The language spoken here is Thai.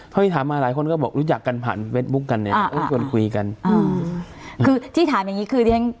พอที่ถามมาหลายคนก็บอกรู้จักกันผ่านเฟซบุ๊คกันเนี่ยชวนคุยกันอ่าคือที่ถามอย่างงี้คือที่ฉัน